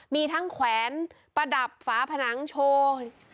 มีทั้งแขวนประดับฝาผนังโชว์